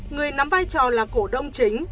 người nắm vai trò là cổ đông chính